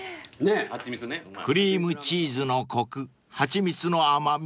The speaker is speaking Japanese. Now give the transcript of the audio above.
［クリームチーズのコクはちみつの甘味